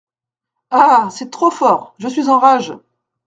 Ah ! c’est trop fort ! je suis en rage !